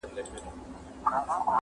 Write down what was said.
وطن له سره جوړوي بیرته جشنونه راځي-